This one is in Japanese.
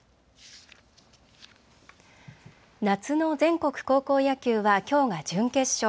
夏の全国高校野球はきょうが準決勝。